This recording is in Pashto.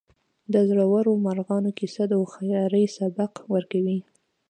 د زړورو مارغانو کیسه د هوښیارۍ سبق ورکوي.